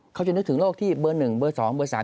เขาจะนึกถึงโรคที่เบอร์หนึ่งเบอร์สองเบอร์สาม